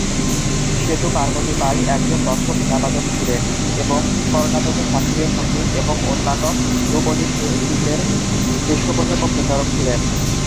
সেতু পার্বতী বাই একজন দক্ষ বীণা বাদক ছিলেন, এবং কর্ণাটকী শাস্ত্রীয় সঙ্গীত এবং অন্যান্য ধ্রুপদী শিল্পের পৃষ্ঠপোষক এবং প্রচারক ছিলেন।